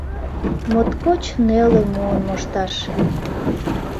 Моткоч неле муын мошташ.